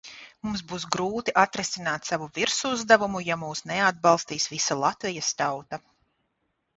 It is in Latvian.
Mums būs grūti atrisināt savu virsuzdevumu, ja mūs neatbalstīs visa Latvijas tauta.